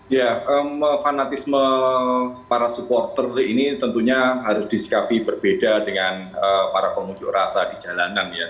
ya fanatisme para supporter ini tentunya harus disikapi berbeda dengan para pengunjuk rasa di jalanan ya